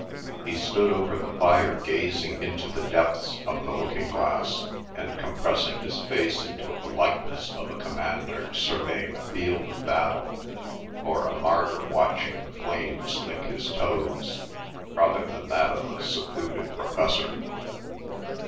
He stood over the fire gazing into the depths of the looking glass, and compressing his face into the likeness of a commander surveying a field of battle, or a martyr watching the flames lick his toes, rather than that of a secluded Professor.